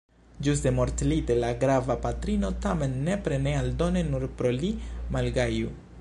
Ĝuste mortlite la brava patrino tamen nepre ne aldone nur pro li malgaju.